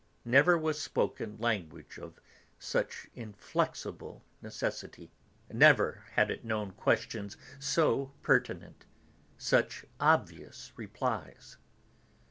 Never was spoken language of such inflexible necessity, never had it known questions so pertinent, such obvious replies.